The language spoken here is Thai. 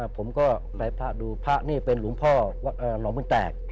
ผมก็ไปพระดูพระนี่เป็นหลวงพ่อหนองบุญแตก